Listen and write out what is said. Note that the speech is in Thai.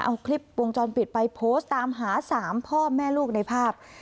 เอาคลิปวงจรปิดไปโพสต์ตามหา๓พ่อแม่ลูกในภาพ